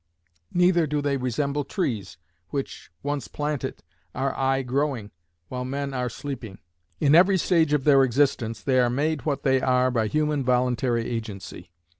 Neither do they resemble trees, which, once planted, "are aye growing" while men "are sleeping." In every stage of their existence they are made what they are by human voluntary agency.